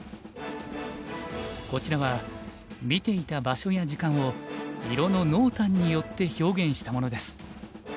こちらは見ていた場所や時間を色の濃淡によって表現したものです。